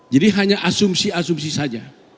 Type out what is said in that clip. jadi hanya asumsi asumsi saja